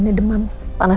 tentang ke cerita tersebut